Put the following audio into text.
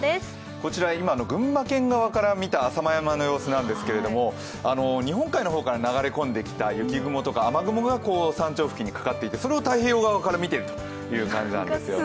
こちら、群馬県側から見た浅間山なんですけど日本海の方から流れ込んできた雪雲とか雨雲が山頂付近にかかっていて、それを太平洋側から見ている感じなんですね。